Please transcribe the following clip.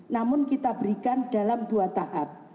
namun kita berikan dalam dua tahap